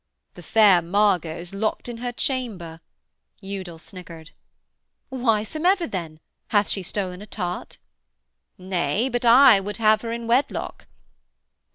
'The fair Margot's locked in her chamber,' Udal snickered. 'Why som ever then? Hath she stolen a tart?' 'Nay, but I would have her in wedlock.'